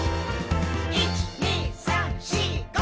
「１．２．３．４．５．」